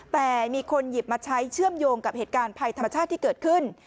แต่มีคนหยิบมาใช้เชื่อมโยงกับเหตุการณ์ภัยธรรมชาติที่เกิดขึ้น